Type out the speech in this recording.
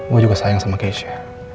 gue juga sayang sama keisha